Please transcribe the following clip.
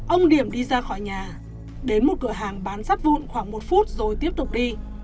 ông điểm đi ra khỏi nhà đến một cửa hàng bán sắt vụn khoảng một phút rồi tiếp tục đi